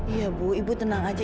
iya bu ibu tenang aja